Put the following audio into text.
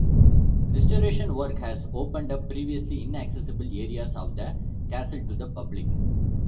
Restoration work has opened up previously inaccessible areas of the castle to the public.